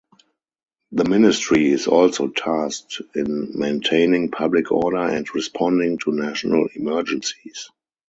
The ministry is also tasked in maintaining public order and responding to national emergencies.